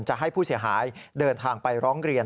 จะให้ผู้เสียหายเดินทางไปร้องเรียน